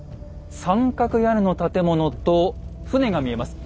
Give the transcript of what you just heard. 三角屋根の建物と船が見えます。